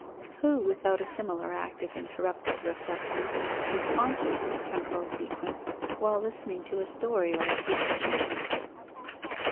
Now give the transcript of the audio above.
Who, without a similar act of interruptive reflexion, is conscious of temporal sequence while listening to a story or a piece of music?